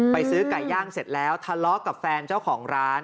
ซื้อไก่ย่างเสร็จแล้วทะเลาะกับแฟนเจ้าของร้าน